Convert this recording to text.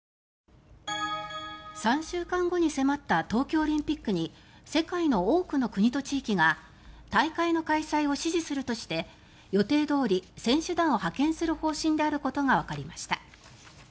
３週間後に迫った東京オリンピックに世界の多くの国と地域が大会の開催を支持するとして予定どおり選手団を派遣する方針であることがわかりました。